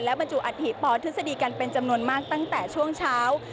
บรรจุอัฐิปอทฤษฎีกันเป็นจำนวนมากตั้งแต่ช่วงเช้า